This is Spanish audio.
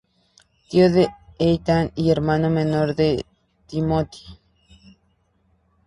Tío de Ethan y hermano menor de Timothy.